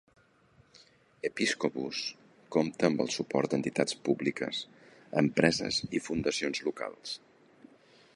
Episcopus compta amb el suport d'entitats públiques, empreses i fundacions locals.